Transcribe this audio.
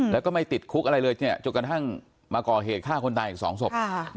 แล้วก็ไม่ติดคุกอะไรเลยจะจุดกำลังมาก่อเหตุฆ่าคนตายอีกสองสม